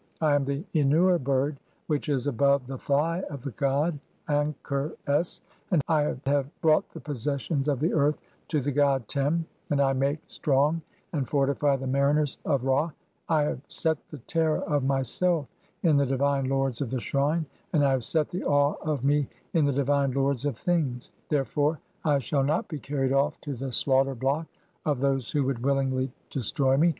I am the "Ennur bird which is (5) above the thigh of the god (?) An "ker s, and I have brought the possessions of the earth to the "god Tern, and [I] make strong and fortify the mariners [of "Ra], (6) I have set the terror of myself in the divine lords of "the shrine, and I have set the awe of me in the divine lords "(7) of things ; therefore I shall not be carried off to the slaughter "block of those who would willingly destroy me.